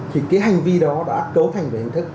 thì cái hành vi đó đã đối thành với hình thức